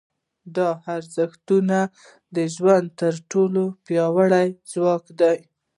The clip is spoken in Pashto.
دا ارزښتونه د ژوند تر ټولو پیاوړي ځواک دي.